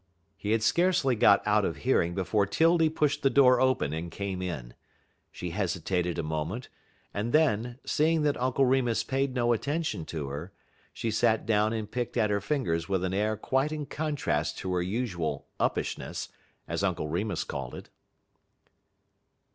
He had scarcely got out of hearing before 'Tildy pushed the door open and came in. She hesitated a moment, and then, seeing that Uncle Remus paid no attention to her, she sat down and picked at her fingers with an air quite in contrast to her usual "uppishness," as Uncle Remus called it.